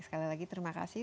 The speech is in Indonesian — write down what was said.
sekali lagi terima kasih